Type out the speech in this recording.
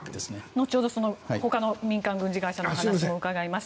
後ほどほかの民間軍事会社の話も伺います。